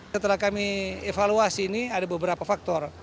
setelah kami evaluasi ini ada beberapa faktor